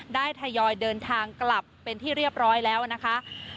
ทยอยเดินทางกลับเป็นที่เรียบร้อยแล้วนะคะ